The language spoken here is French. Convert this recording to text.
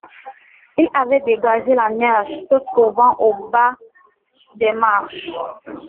Il avait dégagé la neige se trouvant au bas des marches.